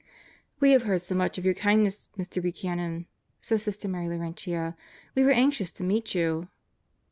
"We have heard so much of your kindness, Mr. Buchanan," said Sister Mary Laurentia, "we were anxious to meet you."